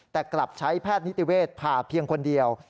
แต่กลับใช้แพทย์นิติเวศผ่าเพียงคนเดียว